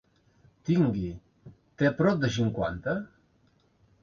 Tingui, té prop de cinquanta?